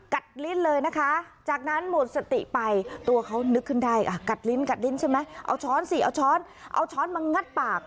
กัดลิ้นใช่ไหมเอาช้อนสิเอาช้อนเอาช้อนมางัดปาก